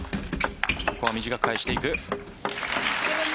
ここは短く返していく。